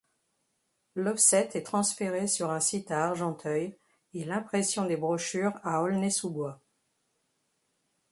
L'offset est transféré sur un site à Argenteuil et l'impression des brochures à Aulnay-sous-Bois.